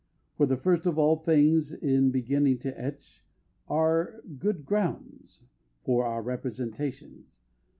For the first of all things in begining to etch Are good grounds for our representations.